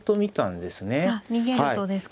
逃げるとですか。